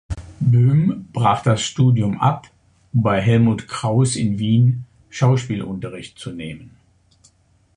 Böhm brach das Studium ab, um bei Helmut Krauss in Wien Schauspielunterricht zu nehmen.